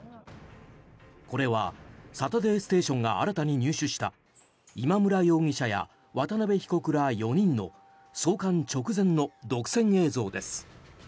これは「サタデーステーション」が新たに入手した今村容疑者や渡邉被告ら４人の送還直前の独占映像です。